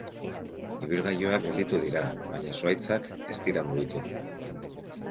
Ibilgailuak gelditu dira, baina zuhaitzak ez dira mugitu.